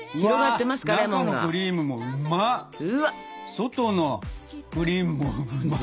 外のクリームもうまっ！